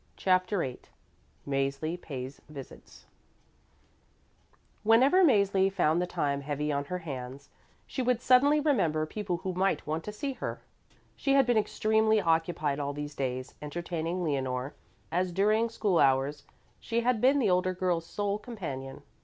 CHAPTER VIII MÄZLI PAYS VISITS Whenever Mäzli found the time heavy on her hands, she would suddenly remember people who might want to see her. She had been extremely occupied all these days entertaining Leonore, as during school hours she had been the older girl's sole companion.